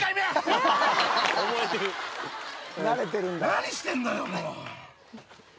何してんのよ！